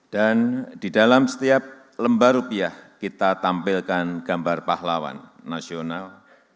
dan di dalam setiap lembah rupiah kita tampilkan gambar pahlawan nasional